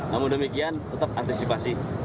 namun demikian tetap antisipasi